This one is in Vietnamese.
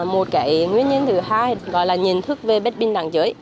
một nguyên nhân thứ hai là nhìn thức về bếp binh đảng giới